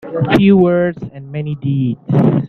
Few words and many deeds.